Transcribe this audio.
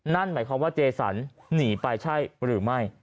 นั่นหมายความว่าเจสันหนีไปใช่หรือไม่